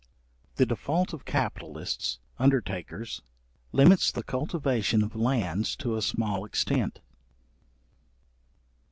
The default of capitalists, undertakers, limits the cultivation of lands to a small extent.